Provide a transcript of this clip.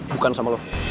bukan sama lo